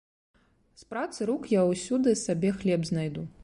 З працы рук я ўсюды сабе хлеб знайду.